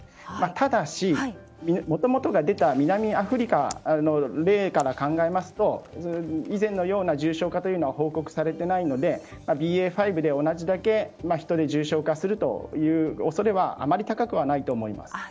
ただし、もともとが出た南アフリカの例から考えますと以前のような重症化は報告されていないのでＢＡ．５で同じだけ人で重症化するという恐れはあまり高くないと思います。